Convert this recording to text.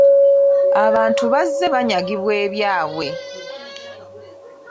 Abantu bazze banyagibwa ebyabwe.